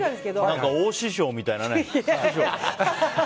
何か大師匠みたいなね。